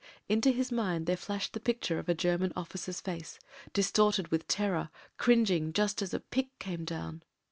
Into his mind there flashed the picture of a German officer's face — distorted with terror — cringing: just as a pick came down.